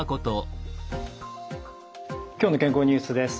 「きょうの健康ニュース」です。